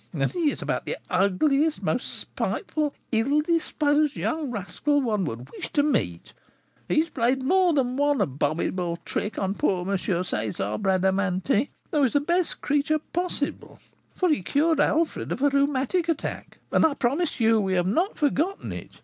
And he is about the ugliest, most spiteful, ill disposed young rascal one would wish to meet: he has played more than one abominable trick upon poor M. César Bradamanti, who is the best creature possible; for he cured Alfred of a rheumatic attack, and I promise you we have not forgotten it.